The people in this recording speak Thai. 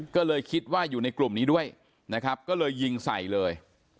ก็เลยคิดว่าอยู่ในกลุ่มนี้ด้วยนะครับก็เลยยิงใส่เลย